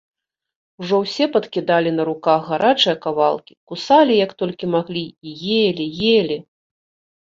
Ужо ўсе падкідалі на руках гарачыя кавалкі, кусалі як толькі маглі і елі, елі.